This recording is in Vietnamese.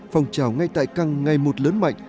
phòng trào ngay tại căng ngày một lớn mạnh